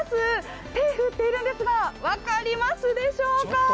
手を振っているんですが、分かりますでしょうか。